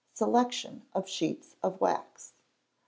Selection of Sheets of Wax.